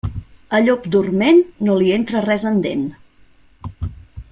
A llop dorment, no li entra res en dent.